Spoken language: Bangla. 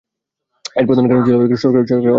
এর প্রধান কারণ ছিল সরকারের অর্থ প্রদানে অস্বীকৃতি।